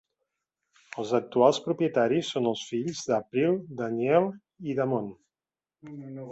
Els actuals propietaris són els fills d' April, Danielle i Damon.